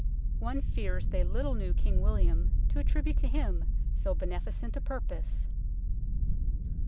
One fears they little knew King William, to attribute to him so beneficent a purpose.